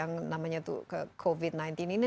yang namanya itu covid sembilan belas ini